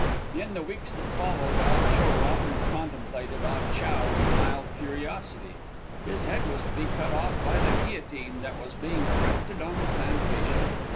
In the weeks that followed, Ah Cho often contemplated Ah Chow with mild curiosity. His head was to be cut off by the guillotine that was being erected on the plantation.